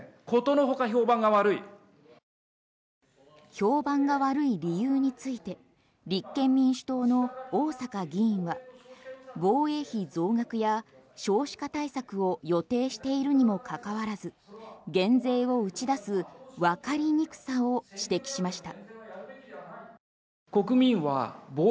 評判が悪い理由について立憲民主党の逢坂議員は防衛費増額や少子化対策を予定しているにもかかわらず減税を打ち出すわかりにくさを指摘しました。